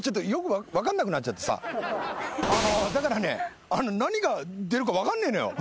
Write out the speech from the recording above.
だからね何が出るか分かんねえのよ。